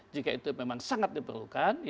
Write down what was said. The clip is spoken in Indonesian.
jika itu memang sangat diperlukan